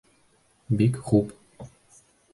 Бик хуп!